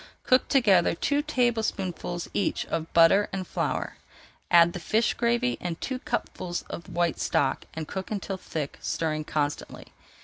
Cook together two tablespoonfuls each of butter and flour, add the fish gravy and two cupfuls of white stock, and cook until thick, stirring constantly.